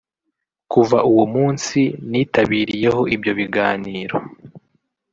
Kuva uwo munsi nitabiriyeho ibyo biganiro